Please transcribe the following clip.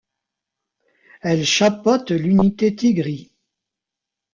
Elle chapeaute l'unité Tigris.